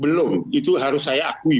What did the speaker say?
belum itu harus saya akui